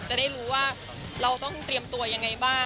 จะได้รู้ว่าเราต้องเตรียมตัวยังไงบ้าง